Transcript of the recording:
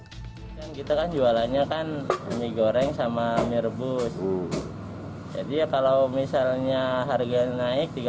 kita kan jualannya kan mie goreng sama mie rebus jadi ya kalau misalnya harga naik